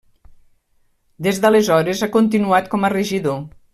Des d'aleshores ha continuat com a regidor.